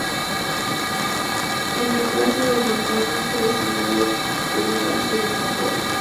En reemplazo de Londoño fue designado Diego Palacio Betancourt.